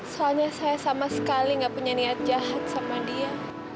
soalnya saya sama sekali gak punya niat jahat sama dia